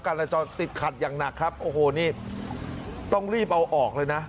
จราจรติดขัดอย่างหนักครับโอ้โหนี่ต้องรีบเอาออกเลยนะ